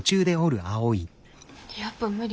やっぱ無理。